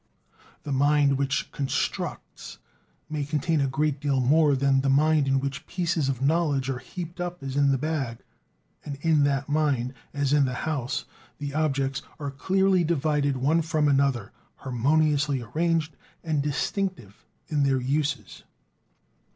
The mind which constructs may contain a great deal more than that mind in which pieces of knowledge are heaped up as in the bag; and in that mind, as in the house, the objects are clearly divided one from another, harmoniously arranged, and distinctive in their uses.